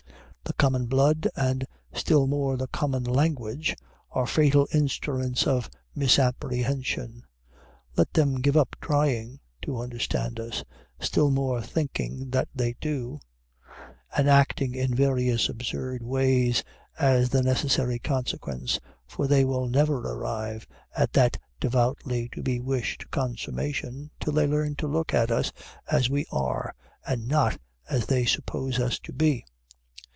The common blood, and still more the common language, are fatal instruments of misapprehension. Let them give up trying to understand us, still more thinking that they do, and acting in various absurd ways as the necessary consequence, for they will never arrive at that devoutly to be wished consummation, till they learn to look at us as we are and not as they suppose us to be.